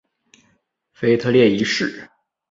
腓特烈一世。